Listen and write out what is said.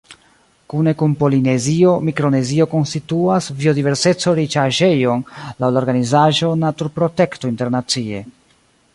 Kune kun Polinezio, Mikronezio konstituas biodiverseco-riĉaĵejon laŭ la organizaĵo Naturprotekto Internacie.